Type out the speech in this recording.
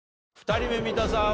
２人目三田さん